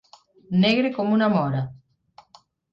Negre com una mora.